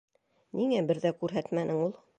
Ниңә бер ҙә күрһәтмәнең ул?